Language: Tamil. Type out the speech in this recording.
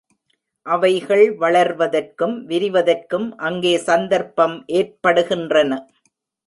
அவைகள் வளர்வதற்கும் விரிவதற்கும் அங்கே சந்தர்ப்பம் ஏற்படுகின்றன.